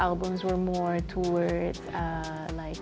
album sebelumnya lebih ke